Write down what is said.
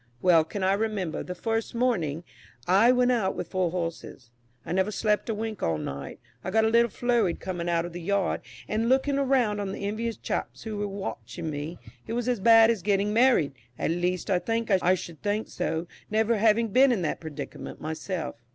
Well can I remember, the first morning I went out with four horses; I never slept a wink all night. I got a little flurried coming out of the yard, and looking round on the envious chaps who were watching me it was as bad as getting married at least, I should think so, never having been in that predicament myself.